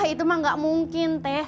itu mah gak mungkin teh